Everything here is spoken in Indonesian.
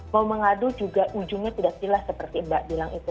mau mengadu juga ujungnya tidak jelas seperti mbak bilang itu